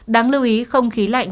đáng lưu ý không khí lạnh